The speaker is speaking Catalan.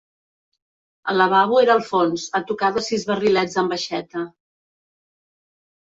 El lavabo era al fons, a tocar de sis barrilets amb aixeta.